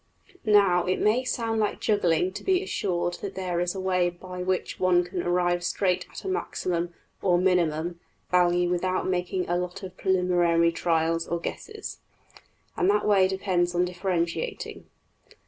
Now it may sound like juggling to be assured that there is a way by which one can arrive straight at a maximum (or minimum) value without making a lot of preliminary trials or guesses. And that way depends on differentiating.